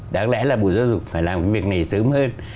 đáng lẽ là bộ giáo dục phải làm việc này sớm hơn